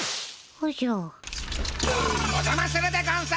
おじゃまするでゴンス！